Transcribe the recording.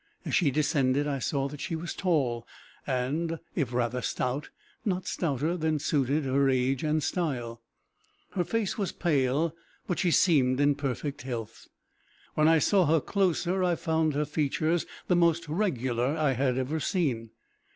As she descended, I saw that she was tall, and, if rather stout, not stouter than suited her age and style. Her face was pale, but she seemed in perfect health. When I saw her closer, I found her features the most regular I had ever seen.